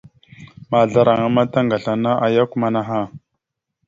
Mahəzlaraŋa ma taŋgasl ana ta ayak amanah.